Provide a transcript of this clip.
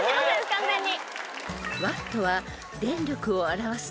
完全に。